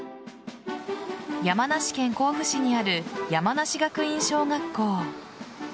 山梨県甲府市にある山梨学院小学校。